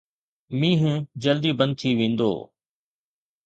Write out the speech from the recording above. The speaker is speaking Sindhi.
مينهن جلدي بند ٿي ويندو.